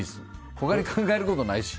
他に考えることないし。